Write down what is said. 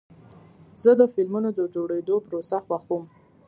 زه د فلمونو د جوړېدو پروسه خوښوم.